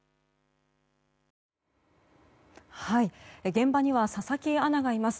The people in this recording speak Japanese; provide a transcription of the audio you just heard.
現場には佐々木アナがいます。